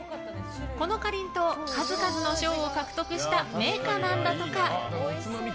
このかりんとう、数々の賞を獲得した銘菓なんだとか。